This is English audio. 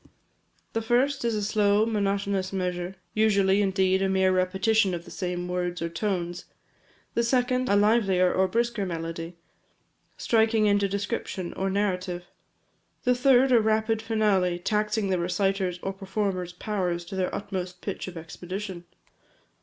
The first is a slow, monotonous measure, usually, indeed, a mere repetition of the same words or tones; the second, a livelier or brisker melody, striking into description or narrative; the third, a rapid finale, taxing the reciter's or performer's powers to their utmost pitch of expedition.